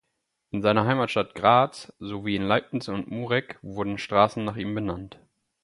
In seiner Heimatstadt Graz sowie in Leibnitz und Mureck wurden Straßen nach ihm benannt.